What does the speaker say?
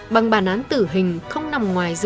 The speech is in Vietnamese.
bằng bản án tử hình không nằm ngoài dự án